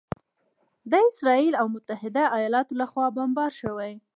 د اسراییل او متحده ایالاتو لخوا بمبار شوي